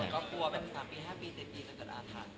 เกิดอาทาน